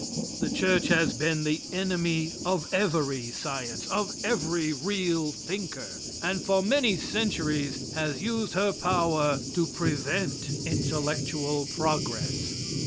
The church has been the enemy of every science, of every real thinker, and for many centuries has used her power to prevent intellectual progress.